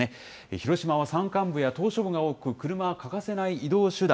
広島は山間部や島しょ部が多く、車は欠かせない移動手段。